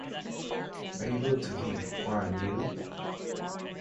Be very good to him, won't you?